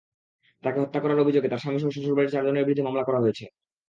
তাঁকে হত্যা করার অভিযোগে তাঁর স্বামীসহ শ্বশুরবাড়ির চারজনের বিরুদ্ধে মামলা করা হয়েছে।